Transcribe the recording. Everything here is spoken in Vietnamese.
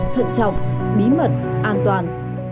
thận sọc bí mật an toàn